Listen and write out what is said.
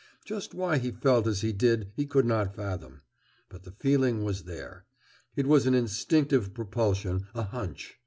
Just why he felt as he did he could not fathom. But the feeling was there. It was an instinctive propulsion, a "hunch."